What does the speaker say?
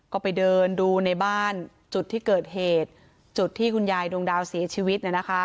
ก็ไปเดินดูในบ้านจุดที่เกิดเหตุจุดที่คุณยายดวงดาวเสียชีวิต